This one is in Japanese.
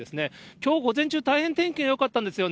きょう午前中、大変天気がよかったんですよね。